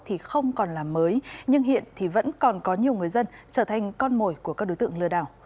thì không còn là mới nhưng hiện thì vẫn còn có nhiều người dân trở thành con mồi của các đối tượng lừa đảo